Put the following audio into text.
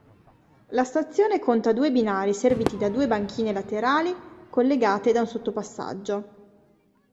La stazione conta due binari serviti da due banchine laterali collegate da un sottopassaggio.